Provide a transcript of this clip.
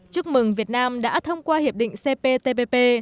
chúc mừng việt nam đã thông qua hiệp định cptpp